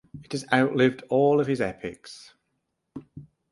It has outlived all of his epics.